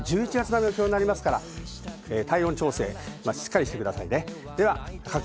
これ１１月並みの気温になりますから、体温調整、しっかりしてくださいね。